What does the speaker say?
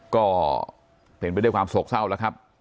ก็เป็นไปด้วยความโศกเศร้าแล้วครับ